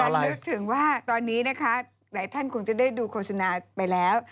นึกถึงว่าตอนนี้นะคะหลายท่านคงจะได้ดูโฆษณาไปแล้ว